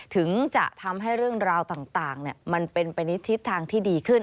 ถึงจะทำให้เรื่องราวต่างมันเป็นไปในทิศทางที่ดีขึ้น